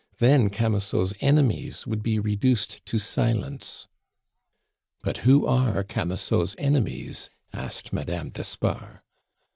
Then Camusot's enemies would be reduced to silence." "But who are Camusot's enemies?" asked Madame d'Espard.